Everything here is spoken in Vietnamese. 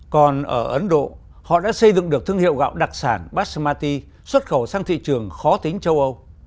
còn ở ấn độ họ đã xây dựng được thương hiệu gạo đặc sản basmati xuất khẩu sang thị trường khó tính châu âu